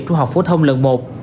trung học phố thông lần một